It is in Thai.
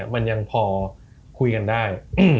มันยังพอคุยกันได้